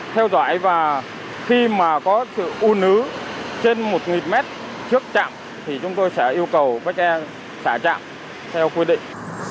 theo dõi và khi mà có sự u nứ trên một nghìn mét trước trạm thì chúng tôi sẽ yêu cầu bách nen xả trạm theo quy định